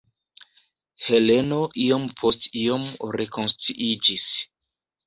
Heleno iom post iom rekonsciiĝis.